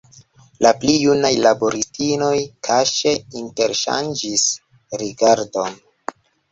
La pli junaj laboristinoj kaŝe interŝanĝis rigardon.